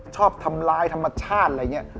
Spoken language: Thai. ชอบทำร้ายธรรมชาติอะไรอย่างนี้